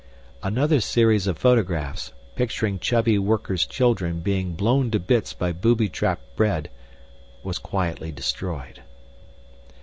Another series of photographs, picturing chubby workers' children being blown to bits by booby trapped bread, was quietly destroyed.